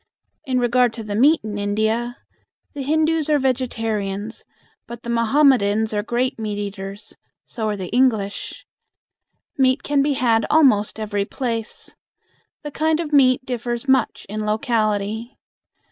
In regard to the meat in India: The Hindus are vegetarians, but the Mohammedans are great meat eaters. So are the English. Meat can be had almost every place. The kind of meat differs much in locality.